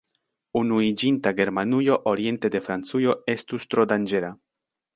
Unuiĝinta Germanujo oriente de Francujo estus tro danĝera.